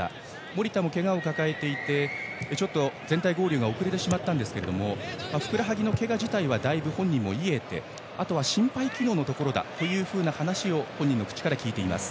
守田もけがを抱えていて全体合流が遅れましたがふくらはぎのけが自体はだいぶ本人も癒えてあとは心肺機能のところだという話を本人から聞いています。